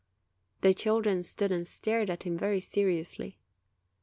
The children stood and stared at him very seriously.